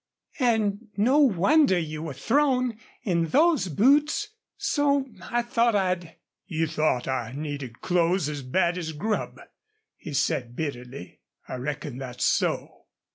And no wonder you were thrown in those boots! ... So I thought I'd " "You thought I needed clothes as bad as grub," he said, bitterly. "I reckon that's so."